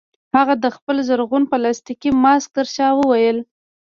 هغه د خپل زرغون پلاستيکي ماسک ترشا وویل